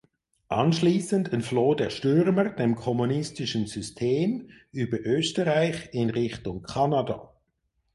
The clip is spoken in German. Anschließend entfloh der Stürmer dem kommunistischen System über Österreich in Richtung Kanada.